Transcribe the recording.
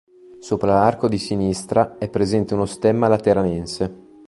Sopra l'arco di sinistra è presente uno stemma lateranense.